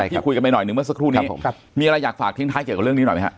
ที่คุยกันไปหน่อยหนึ่งเมื่อสักครู่นี้มีอะไรอยากฝากทิ้งท้ายเกี่ยวกับเรื่องนี้หน่อยไหมฮะ